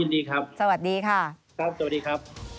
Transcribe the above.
ดีครับสวัสดีค่ะครับสวัสดีครับ